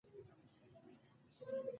انګریزانو په افغانستان کي ماتي خوړلي ده.